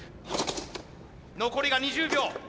残りが２０秒。